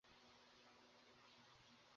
খেতে চাইলে নিজে বাজার করে নিয়ে এসো।